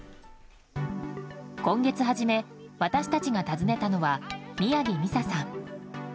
今月初め、私たちが訪ねたのは宮城美沙さん。